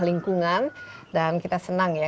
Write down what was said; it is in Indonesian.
lingkungan dan kita senang ya